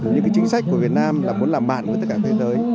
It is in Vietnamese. những chính sách của việt nam là muốn làm bạn với tất cả thế giới